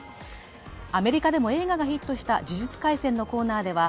アメリカでも映画がヒットした「呪術廻戦」のコーナーでは、